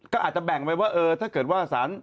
ก็อาจจะแบ่งไปว่าเออถ้าเกิดว่าสาร